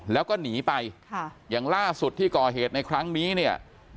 แล้วก็หนีไปค่ะอย่างล่าสุดที่ก่อเหตุในครั้งนี้เนี่ย